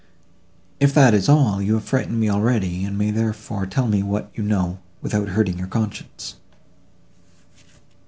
"If that is all, you have frightened me already, and may therefore tell me what you know, without hurting your conscience."